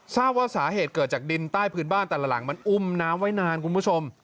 ทราบว่าสาเหตุเกิดจากดินใต้พื้นบ้านแต่ละหลังมันอุ้มน้ำไว้นานคุณผู้ชม